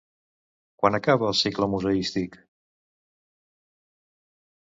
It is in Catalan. Quan acaba el cicle museístic?